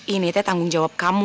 ini teh tanggung jawab kamu